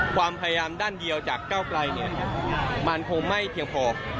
ความพยายามด้านเดียวจากเก้าไกลมันคงไม่เพียงพอ